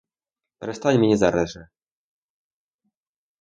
Перестань мені зараз же!